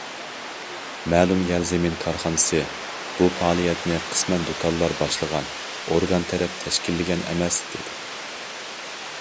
مەلۇم يەر- زېمىن كارخانىسى، بۇ پائالىيەتنى قىسمەن دۇكانلار باشلىغان، ئورگان تەرەپ تەشكىللىگەن ئەمەس، دېدى.